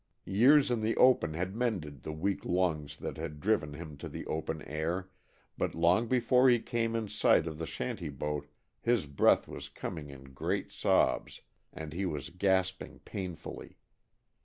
Years in the open had mended the weak lungs that had driven him to the open air, but long before he came in sight of the shanty boat his breath was coming in great sobs and he was gasping painfully.